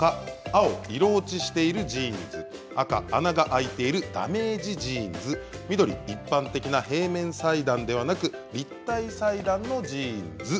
青・色落ちしているジーンズ赤・穴が開いているダメージジーンズ緑・一般的な平面裁断ではなく立体裁断のジーンズ。